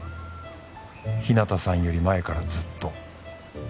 「日向さんより前からずっと」